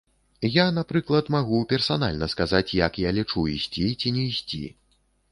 Я, напрыклад, магу персанальна сказаць як я лічу, ісці ці не ісці.